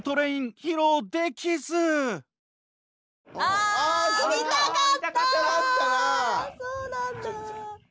そうなんだ。